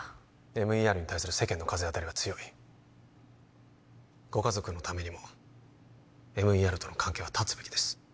ＭＥＲに対する世間の風当たりは強いご家族のためにもＭＥＲとの関係は絶つべきです